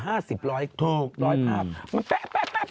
ห้าสิบร้อยภาพ